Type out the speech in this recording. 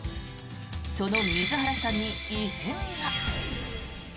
その水原さんに異変が。